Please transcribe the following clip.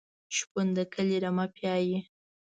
شپون د کلي رمه پیایي.